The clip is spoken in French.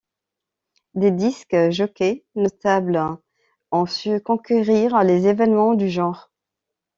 Des disc jockeys notables ont su conquérir les événements du genre.